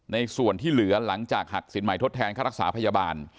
ในส่วนที่เหลือหลังจากหักสินใหม่ทดแทนค่ารักษาพยาบาล